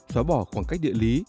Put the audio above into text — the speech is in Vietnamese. xóa bỏ khoảng cách địa lý